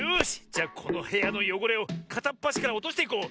じゃこのへやのよごれをかたっぱしからおとしていこう。